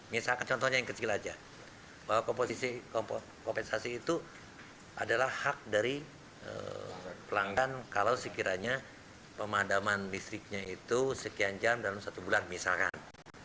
misalkan contohnya yang kecil aja bahwa kompensasi itu adalah hak dari pelanggan kalau sekiranya pemadaman listriknya itu sekian jam dalam satu bulan misalkan